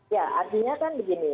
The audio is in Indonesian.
ya artinya kan begini